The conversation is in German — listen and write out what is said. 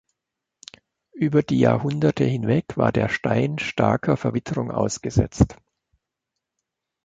Über die Jahrhunderte hinweg war der Stein starker Verwitterung ausgesetzt.